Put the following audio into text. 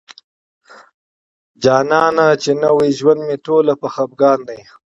جانان چې نوي ژوند مي ټوله په خفګان دی